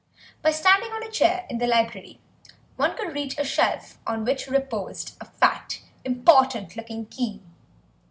By standing on a chair in the library one could reach a shelf on which reposed a fat, important looking key.